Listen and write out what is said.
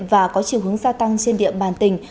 và có chiều hướng gia tăng trên địa bàn tỉnh